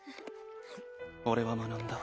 俺は学んだ。